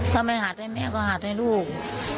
ถ้าไม่หัดให้แม่ก็หัดให้ลูก